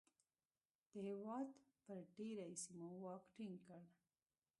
د هېواد پر ډېری سیمو واک ټینګ کړ.